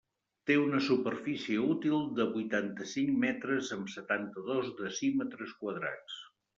Té una superfície útil de vuitanta-cinc metres amb setanta-dos decímetres quadrats.